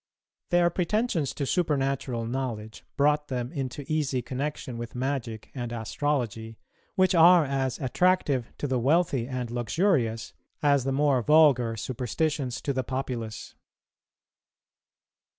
Their pretensions to supernatural knowledge brought them into easy connexion with magic and astrology, which are as attractive to the wealthy and luxurious as the more vulgar superstitions to the populace.